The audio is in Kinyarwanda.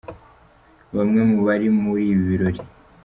Bamwe mu bari muri ibi birori.